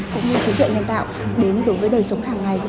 cũng như trí tuệ nhân tạo đến đối với đời sống hàng ngày